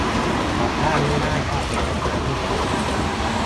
กลับบ้านไม่ได้ เพราะเอกสารไม่ครบ